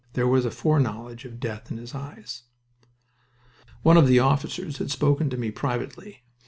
There was a foreknowledge of death in his eyes. One of the officers had spoken to me privately.